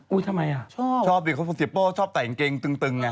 อุ๊ยทำไมอ่ะชอบชอบดิเพราะว่าเสียโป้ชอบใส่อีกเกงตึงไง